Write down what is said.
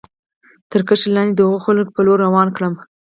تر کرښې لاندې د هغو خلکو په لور روان کړم.